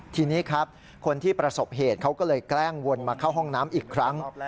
ทีนี้ครับคนที่ประสบเหตุเขาก็เลยแกล้งวนมาเข้าห้องน้ำอีกครั้ง